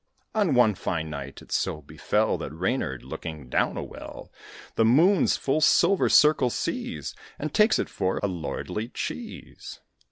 On one fine night it so befell That Reynard, looking down a well, The moons full silver circle sees, And takes it for a lordly cheese.